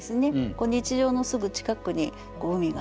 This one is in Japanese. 日常のすぐ近くに海がある。